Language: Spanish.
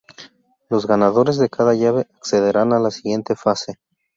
Los ganadores de cada llave accederán a la siguiente fase.